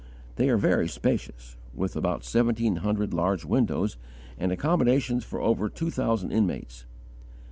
They are very spacious, with about seventeen hundred large windows, and accommodations for over two thousand inmates.